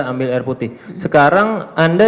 ambil air putih sekarang anda